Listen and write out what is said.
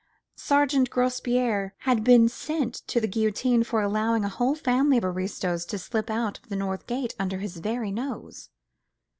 Sergeant Grospierre had been sent to the guillotine for allowing a whole family of aristos to slip out of the North Gate under his very nose.